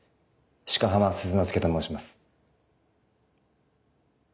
鹿浜鈴之介と申します。